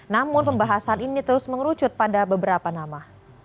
namun pembahasan ini terus mengerucut pada beberapa nama